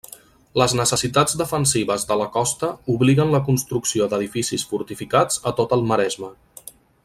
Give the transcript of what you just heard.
Les necessitats defensives de la costa obliguen la construcció d'edificis fortificats a tot el Maresme.